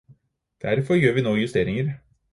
Derfor gjør vi nå justeringer.